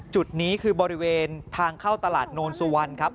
จุดนี้คือบริเวณทางเข้าตลาดโนนสุวรรณครับ